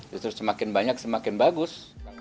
justru semakin banyak semakin bagus